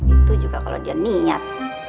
itu juga kalau dia niat